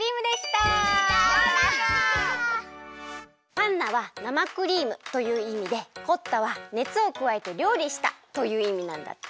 「パンナ」は生クリームといういみで「コッタ」はねつをくわえてりょうりしたといういみなんだって。